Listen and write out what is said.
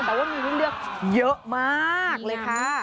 แต่ว่ามีให้เลือกเยอะมากเลยค่ะ